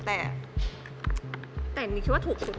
แต่นิงคิดว่าถูกสุด